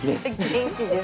元気です。